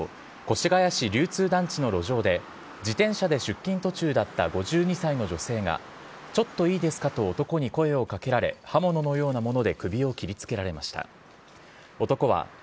警察によりますと、午前３時半ごろ、越谷市流通団地の路上で自転車で出勤途中だった５２歳の女性が、ちょっといいですかと、男に声をかけられ、刃物のようなもので首を切りつけられました。